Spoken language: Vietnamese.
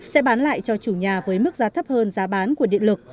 sẽ bán lại cho chủ nhà với mức giá thấp hơn giá bán của điện lực